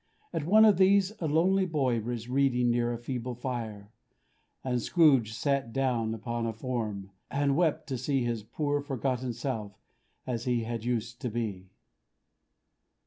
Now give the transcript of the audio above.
At one of these a lonely boy was reading near a feeble fire; and Scrooge sat down upon a form, and wept to see his poor forgotten self as he had used to be.